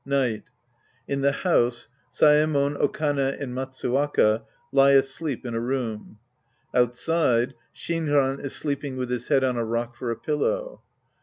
Night. In the house, Saemon, Okane and Matsuwaka lie asleep in a row. Outside, Shinran is sleeping with his head on a rock for a pillow.